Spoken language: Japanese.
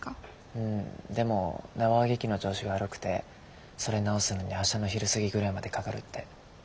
うんでも縄揚げ機の調子が悪くてそれ直すのに明日の昼過ぎぐらいまでかかるって。